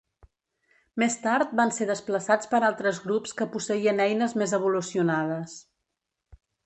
Més tard van ser desplaçats per altres grups que posseïen eines més evolucionades.